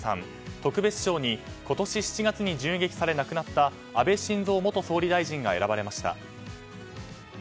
特別賞に今年７月に銃撃され亡くなった安倍晋三元総理大臣が選ばれました。